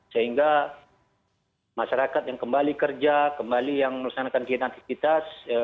sehingga masyarakat yang kembali kerja kembali yang menusankan kinerjitas